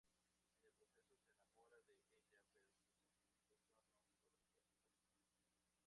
En el proceso se enamora de ella, pero sus sentimientos son no correspondidos.